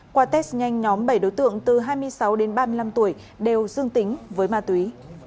qua test nhanh nhóm bảy đối tượng từ hai mươi sáu đến ba mươi năm tuổi đều dương tính với ma túy